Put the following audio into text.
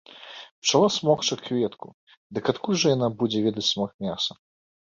Пчала смокча кветку, дык адкуль жа яна будзе ведаць смак мяса?